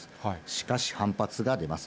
しかし、反発が出ます。